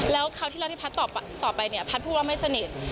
แล้วคราวที่พัดต่อไปพัดพูดว่าไม่สนิท